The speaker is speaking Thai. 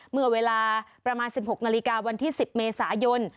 เมื่อเวลาประมาณ๑๖นาฬิกาวันที่๑๐เมษายน